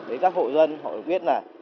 đến các hộ dân họ biết là